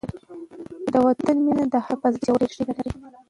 د وطن مینه د هر چا په زړه کې ژورې ریښې لري.